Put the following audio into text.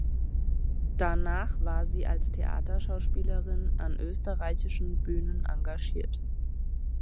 Danach war sie als Theaterschauspielerin an österreichischen Bühnen engagiert.